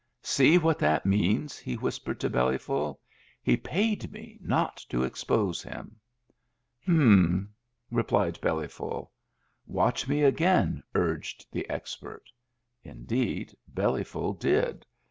"See what that means? he whispered to Bellyful. "He paid me not to expose him." « H'm," replied Bellyful. " Watch me again," urged the expert. Indeed, Bellyful did.